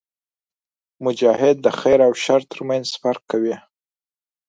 مجاهد د خیر او شر ترمنځ فرق کوي.